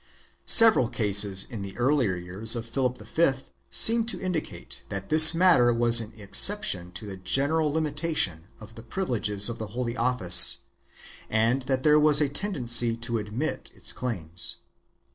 3 Several cases in the earlier years of Philip V seem to indicate that this matter was an exception to the general limitation of the privileges of the Holy Office and that there was a tendency to admit its claims.